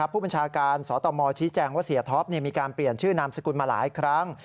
ผู้บัญชาการสตมชี้แจงว่าเสียท็อปมีการเปลี่ยนชื่อนามสกุลมาหลายครั้ง